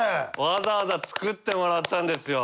わざわざ作ってもらったんですよ。